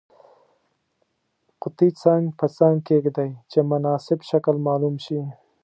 قطي څنګ په څنګ کیږدئ چې مناسب شکل معلوم شي.